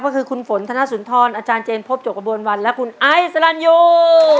ก็คือคุณฝนธนสุนทรอาจารย์เจนพบจกกระบวนวันและคุณไอซ์สลันยู